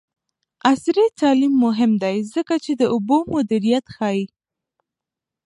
عصري تعلیم مهم دی ځکه چې د اوبو مدیریت ښيي.